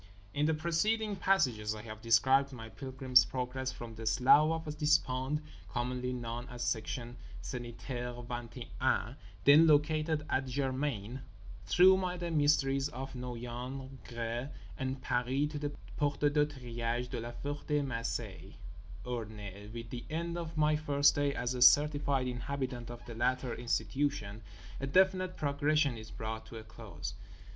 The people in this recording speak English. In the preceding pages I have described my Pilgrim's Progress from the Slough of Despond, commonly known as Section Sanitaire Vingt et Un (then located at Germaine) through the mysteries of Noyon, Gré and Paris to the Porte de Triage de La Ferté Macé, Orne. With the end of my first day as a certified inhabitant of the latter institution a definite progression is brought to a close.